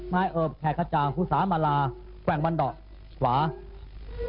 นายเอิบแขกจางภูสามาลาแกว่งวันดอกซ้าย